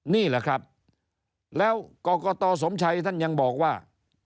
นี่แหละครับแล้วกรกตสมชัยท่านยังบอกว่า